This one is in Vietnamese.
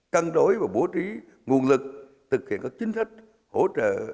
căng đối và bổ trí nguồn lực thực hiện các chính sách hỗ trợ